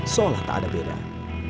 seolah tak ada perbedaan